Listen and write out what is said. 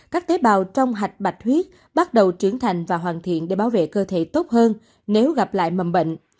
các tế bào trong hạch bạch bạch huyết bắt đầu trưởng thành và hoàn thiện để bảo vệ cơ thể tốt hơn nếu gặp lại mầm bệnh